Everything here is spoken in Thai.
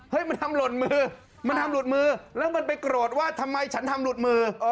มันทำหล่นมือมันทำหลุดมือแล้วมันไปโกรธว่าทำไมฉันทำหลุดมือ